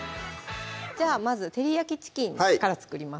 じゃあまず照り焼きチキンから作ります